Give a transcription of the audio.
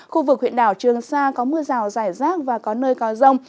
khu vực huyện đảo trường sa có mưa rào rải rác và có nơi có rông